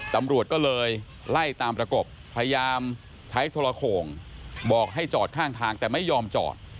ตำรวจก็เลยไล่ตามประกบพยายามใช้โทรโข่งบอกให้จอดข้างทางแต่ไม่ยอมจอด